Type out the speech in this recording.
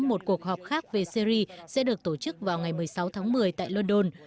một cuộc họp khác về syri sẽ được tổ chức vào ngày một mươi sáu tháng một mươi tại london